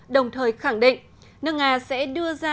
đồng thời khẳng định nước nga sẽ đưa ra